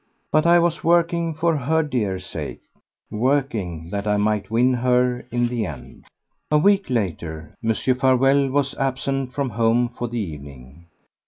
But I was working for her dear sake; working that I might win her in the end. A week later Mr. Farewell was absent from home for the evening.